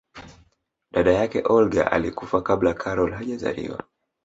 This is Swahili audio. dada yake olga alikufa kabla karol hajazaliwa